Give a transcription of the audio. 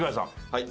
はい。